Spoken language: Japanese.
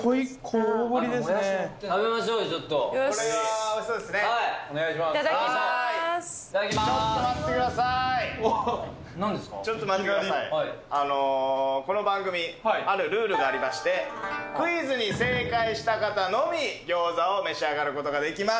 この番組あるルールがありましてクイズに正解した方のみ餃子を召し上がることができます